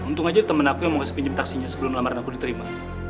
untung aja temen aku yang mau kasih pinjam taksinya sebelum lamaran aku diterima